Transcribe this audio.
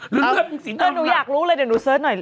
เลือดเป็นสีหน้าหนูอยากรู้เลยเดี๋ยวหนูเสิร์ชหน่อย